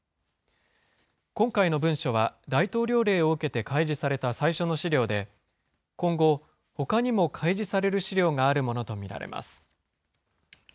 今回の文書は大統領令を受けて開示された最初の資料で、今後、ほかにも開示される資料があるものと見られます。